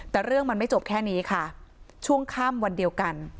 แต่เรื่องมันไม่จบแค่นี้ค่ะช่วงค่ำวันเดียวกัน